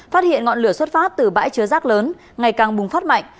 phát hiện ngọn lửa xuất phát từ bãi chứa rác lớn ngày càng bùng phát mạnh